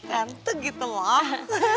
tante gitu loh